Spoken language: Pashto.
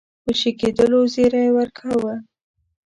خوشي کېدلو زېری ورکاوه.